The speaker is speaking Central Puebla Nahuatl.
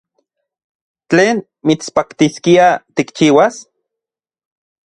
¿Tlen mitspaktiskia tikchiuas?